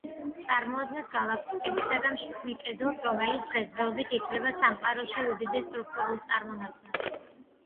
წარმოადგენს გალაქტიკებისგან შექმნილ კედელს, რომელიც დღესდღეობით ითვლება სამყაროში უდიდეს სტრუქტურულ წარმონაქმნად.